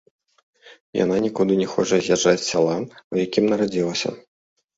Яна нікуды не хоча з'язджаць з сяла, у якім нарадзілася.